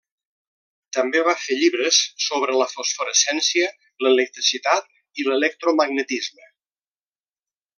També va fer llibres sobre la fosforescència, l'electricitat i l'electromagnetisme.